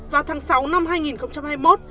vào tháng sáu năm hai nghìn hai mươi một